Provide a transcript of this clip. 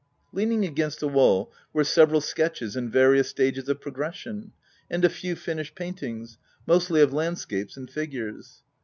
Leaning against the wall were several sketches in various stages of progression, and a few finished paint ings — mostly of landscapes and figures.